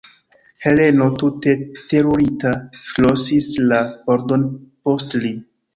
Heleno, tute terurita, ŝlosis la pordon post li.